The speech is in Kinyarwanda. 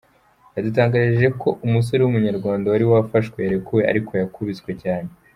Yadutangarije ko umusore w’umunyarwanda wari wafashwe yarekuwe ariko yakubiswe cyane.